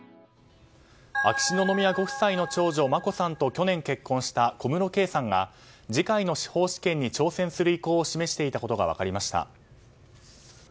秋篠宮ご夫妻の長女眞子さんと去年結婚した小室圭さんが次回の司法試験に挑戦する意向を示していたことが分かりました。